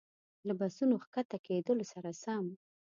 له بسونو ښکته کېدلو سره سم.